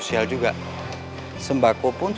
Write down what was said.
kalau dia berani